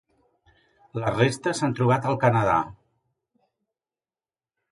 Les restes s'han trobat al Canadà.